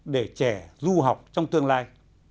để trẻ du học trong tương lai